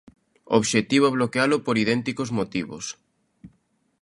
O obxectivo é bloquealo por idénticos motivos.